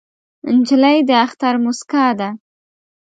نجلۍ د اختر موسکا ده.